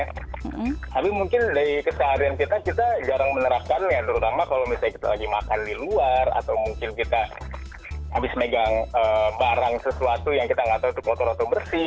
tapi mungkin dari keseharian kita kita jarang menerapkannya terutama kalau misalnya kita lagi makan di luar atau mungkin kita habis megang barang sesuatu yang kita nggak tahu itu kotor atau bersih